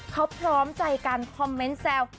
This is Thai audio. เขาพร้อมใจกันคอมเมนต์แซว